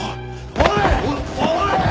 おい！